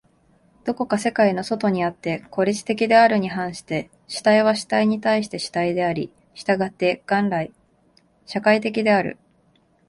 どこか世界の外にあって孤立的であるに反して、主体は主体に対して主体であり、従って元来社会的である。